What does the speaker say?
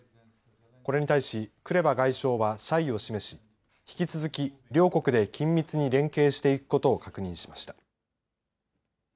これに対しクレバ外相は謝意を示し引き続き、両国で緊密に連携していくことを確認しました。